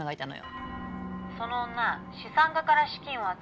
「その女資産家から資金を集めて」